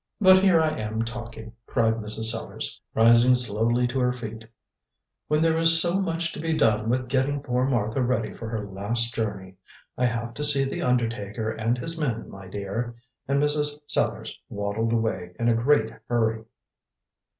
But here I am talking," cried Mrs. Sellars, rising slowly to her feet, "when there is so much to be done with getting poor Martha ready for her last journey. I have to see the undertaker and his men, my dear," and Mrs. Sellars waddled away in a great hurry.